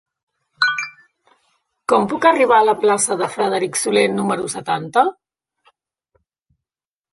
Com puc arribar a la plaça de Frederic Soler número setanta?